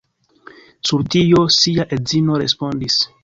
Sur tio, sia edzino respondis.